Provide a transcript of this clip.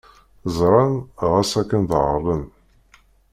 Ẓran ɣas akken ddreɣlen.